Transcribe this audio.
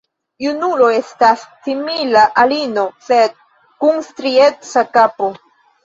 Junulo estas simila al ino, sed kun strieca kapo.